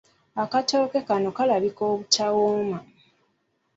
Akatooke kano kalabika obutawooma.